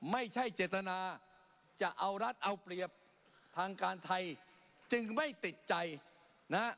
ไม่ใช่เจตนาจะเอารัฐเอาเปรียบทางการไทยจึงไม่ติดใจนะฮะ